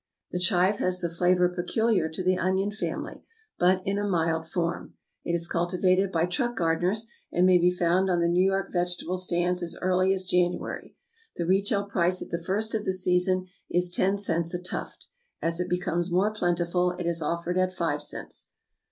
The chive has the flavor peculiar to the onion family, but in a mild form. It is cultivated by truck gardeners, and may be found on the New York vegetable stands as early as January. The retail price at the first of the season is ten cents a tuft; as it becomes more plentiful, it is offered at five cents.